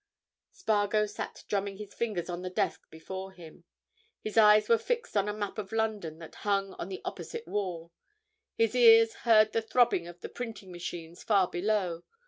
Spargo sat drumming his fingers on the desk before him. His eyes were fixed on a map of London that hung on the opposite wall; his ears heard the throbbing of the printing machines far below.